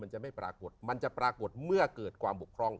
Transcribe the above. จะไม่ปรากฏมันจะปรากฏเมื่อเกิดความบกพร่อง